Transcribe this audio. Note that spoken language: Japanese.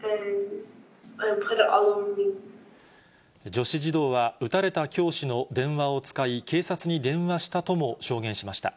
女子児童は、撃たれた教師の電話を使い、警察に電話したとも証言しました。